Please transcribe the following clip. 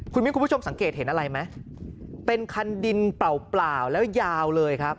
คุณมิ้นคุณผู้ชมสังเกตเห็นอะไรไหมเป็นคันดินเปล่าเปล่าแล้วยาวเลยครับ